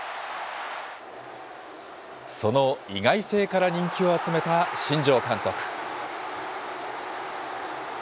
その意外性から人気を集めた新庄監督。